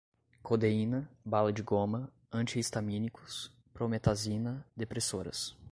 codeína, bala de goma, anti-histamínicos, prometazina, depressoras